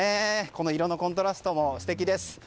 この色のコントラストも素敵です。